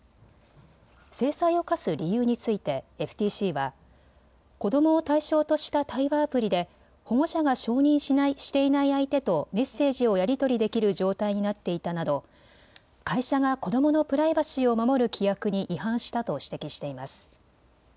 制裁を科す理由についてＦＴＣは子どもを対象とした対話アプリで保護者が承認していない相手とメッセージをやり取りできる状態になっていたなど会社が子どものプライバシーを守る規約に違反したと指摘しています。